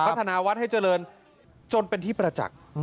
พัฒนาวัดให้เจริญจนเป็นที่ประจักษ์